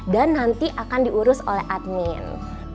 dan nanti akan diurus oleh admin